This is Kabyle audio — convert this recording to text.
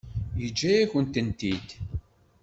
Yeǧǧa-yakent-t-id.